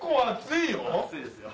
熱いですよ。